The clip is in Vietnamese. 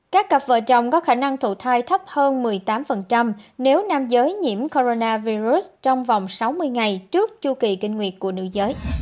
các cặp vợ chồng có khả năng thổ thai thấp hơn một mươi tám nếu nam giới nhiễm corona virus trong vòng sáu mươi ngày trước chu kỳ kinh nguyệt của nữ giới